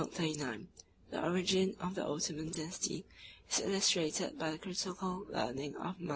] 39 (return) [ The origin of the Ottoman dynasty is illustrated by the critical learning of Mm.